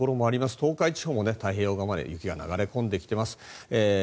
東北地方も太平洋側まで雪が流れ込んできています。